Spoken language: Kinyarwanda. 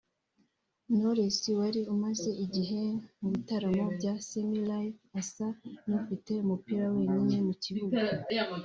Knowless wari umaze igihe mu bitaramo bya semi live asa n’ufite umupira wenyine mu kibuga